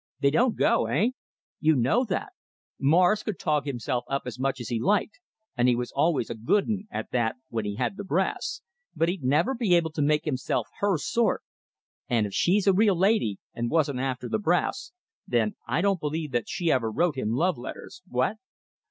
They don't go, eh? You know that. Morris could tog himself up as much as he liked, and he was always a good 'un at that when he had the brass, but he'd never be able to make himself her sort. And if she's a real lady, and wasn't after the brass, then I don't believe that she ever wrote him love letters. What?"